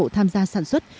tham gia sản xuất